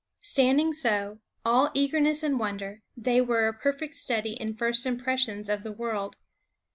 Standing so, all eagerness and wonder, they were a perfect study in first impressions of the world.